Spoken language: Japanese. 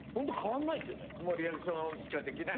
もうリアクションしかできない。